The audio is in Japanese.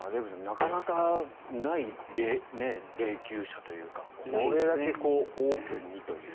なかなかない霊きゅう車というかこれだけオープンにという。